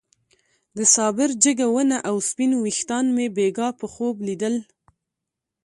د صابر جګه ونه او سپين ويښتان مې بېګاه په خوب ليدل.